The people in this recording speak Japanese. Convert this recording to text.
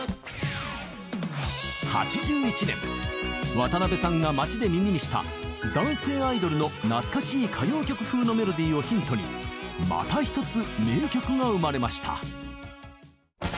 ８１年渡辺さんが街で耳にした男性アイドルの懐かしい歌謡曲風のメロディーをヒントにまた一つ名曲が生まれました。